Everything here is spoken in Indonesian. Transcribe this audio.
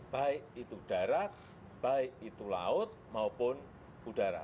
baik itu darat baik itu laut maupun udara